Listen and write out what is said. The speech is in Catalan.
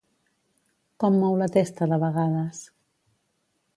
Com mou la testa de vegades?